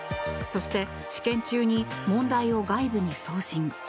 そして試験中に問題を外部に送信。